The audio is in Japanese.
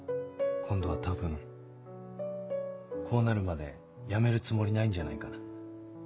今度は多分こうなるまでやめるつもりないんじゃないかな。